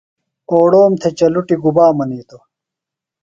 اوڑوم تھےۡچلٹُیۡ گُبا منیتوۡ؟